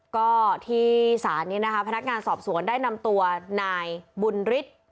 ก็ที่ศาลนี้นะคะพนักงานสอบสวนได้นำตัวนายบุญฤทธิ์